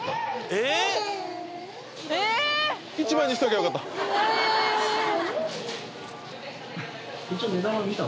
えぇ⁉１枚にしときゃよかった！